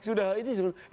sudah ini sudah